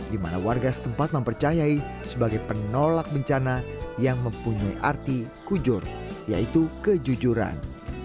di mana warga setempat mempercayai sebagai penolak bencana yang mempunyai arti kujur yaitu kejujuran